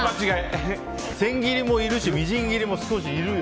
千切りもいるしみじん切りも少しいるよ。